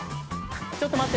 ちょっと待って。